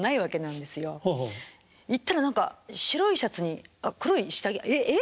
行ったら何か白いシャツに黒い下着え？ええ？